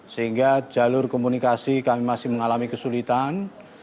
sehingga jalur komunikasi kami masih mengalami kesulitan